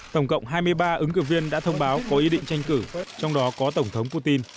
tổng cộng hai mươi ba ứng cử viên đã thông báo có ý định tranh cử trong đó có tổng thống putin